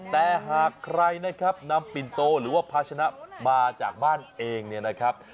แต่หากใครนะครับนำปิ่นโตหรือว่าภาชนะมาจากบ้านเองเนี่ยนะครับ